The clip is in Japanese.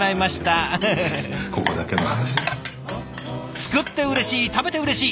作ってうれしい食べてうれしい！